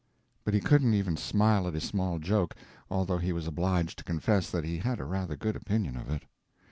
But he couldn't even smile at his small joke, although he was obliged to confess that he had a rather good opinion of it.